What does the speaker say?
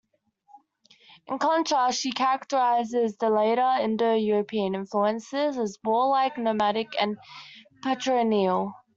In contrast, she characterizes the later Indo-European influences as warlike, nomadic, and patrilineal.